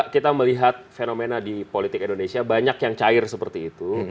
kita melihat fenomena di politik indonesia banyak yang cair seperti itu